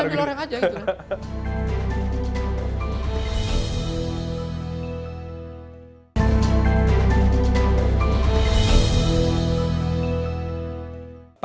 tinggal ambil orang saja